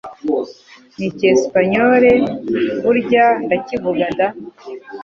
n'Icyespanyole burya ndacyivuga da